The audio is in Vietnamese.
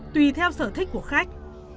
tùy theo sở thích của khách